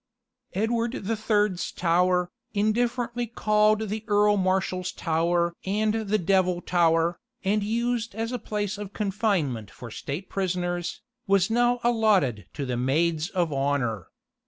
Edward the Third's Tower, indifferently called the Earl Marshal's Tower and the Devil Tower, and used as a place of confinement for state prisoners, was now allotted to the maids of honour.